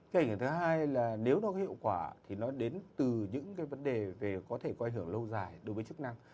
cái hình ảnh thứ hai là nếu nó có hiệu quả thì nó đến từ những cái vấn đề về có thể có ảnh hưởng lâu dài đối với chức năng